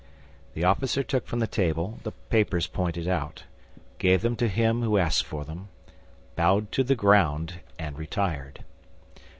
The officer took from the table the papers pointed out, gave them to him who asked for them, bowed to the ground, and retired.